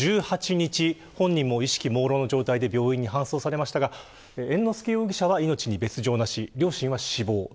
本人も意識もうろうの状態で１８日に病院に搬送されましたが猿之助容疑者は命に別条なし両親は死亡。